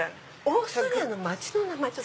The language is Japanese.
オーストリアの町の名前。